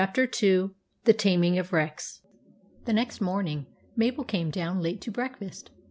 II m II. THE TAMING OF REX THE next morning Mabel came down late to breakfast.